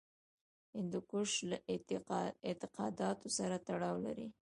هندوکش له اعتقاداتو سره تړاو لري.